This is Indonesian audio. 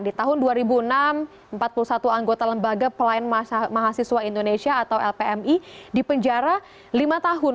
di tahun dua ribu enam empat puluh satu anggota lembaga pelayan mahasiswa indonesia atau lpmi dipenjara lima tahun